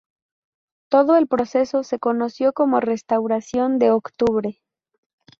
Todo el proceso se conoció como Restauración de Octubre.